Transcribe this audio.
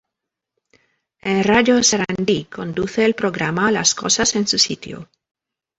En radio Sarandí conduce el programa "Las cosas en su sitio".